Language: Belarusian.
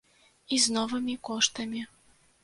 І з новымі коштамі.